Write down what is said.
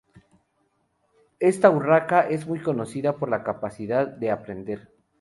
Esta urraca es muy conocida por la capacidad de aprender.